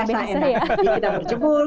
jadi kita berjemur